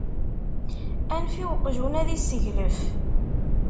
Anef i uqjun, ad isseglef!